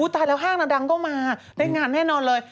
ตายแล้วห้างดังก็มาได้งานแน่นอนเลย